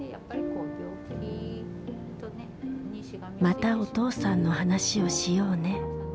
「またお父さんの話をしようね」